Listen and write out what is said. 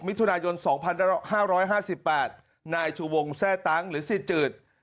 มิถุนายนสองพันห้าร้อยห้าสิบแปดนายชูวงแซ่ตังค์หรือศรีจืด